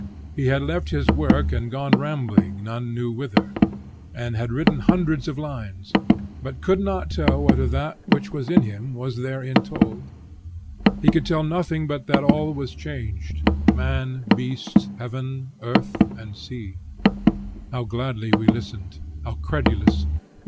He had left his work and gone rambling none knew whither, and had written hundreds of lines, but could not tell whether that which was in him was therein told; he could tell nothing but that all was changed, man, beast, heaven, earth and sea. How gladly we listened! how credulous!